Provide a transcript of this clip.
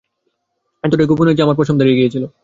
এতটাই গোপনীয় যে আমার পশম দাঁড়িয়ে গিয়েছিল!